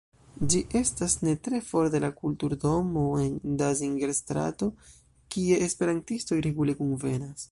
Ĝi estas ne tre for de la Kulturdomo en Danziger-strato, kie esperantistoj regule kunvenas.